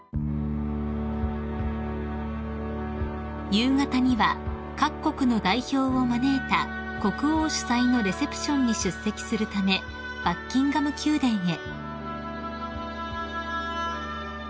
［夕方には各国の代表を招いた国王主催のレセプションに出席するためバッキンガム宮殿へ］